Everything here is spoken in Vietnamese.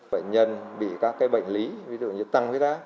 bệnh nhân bị các bệnh lý ví dụ như tăng huyết áp